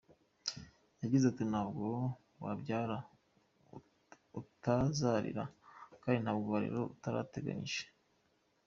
Yagize ati “Ntabwo wabyara utazarera, kandi ntabwo warera utarateganyije.